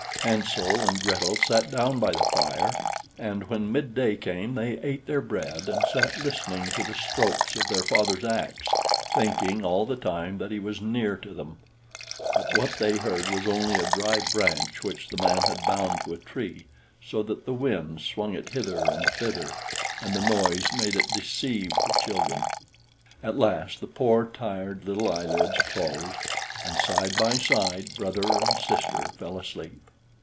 Hansel and Gretel sat down by the fire, and when midday came they ate their bread and sat listening to the strokes of their father's axe, thinking all the time that he was near to them. But what they heard was only a dry branch which the man had bound to a tree, so that the wind swung it hither and thither, and the noise it made deceived the children. At last the poor, tired, little eyelids closed, and, side by side, brother and sister fell asleep.